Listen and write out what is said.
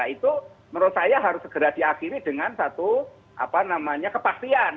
itu menurut saya harus segera diakhiri dengan satu kepastian